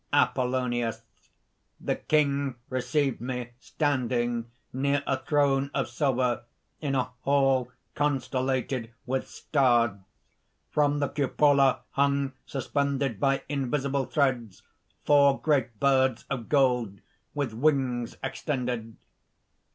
APOLLONIUS. "The king received me standing, near a throne of silver, in a hall constellated with stars; from the cupola hung suspended by invisible threads four great birds of gold, with wings extended."